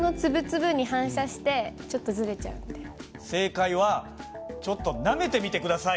正解はちょっとなめてみて下さい。